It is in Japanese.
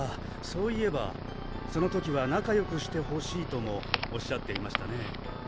そういえばその時はなかよくしてほしいともおっしゃっていましたね